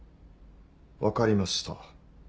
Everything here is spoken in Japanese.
分かりました。